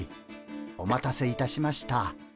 お待たせいたしました。